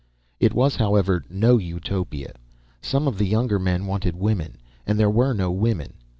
It was, however, no Utopia. Some of the younger men wanted women, and there were no women.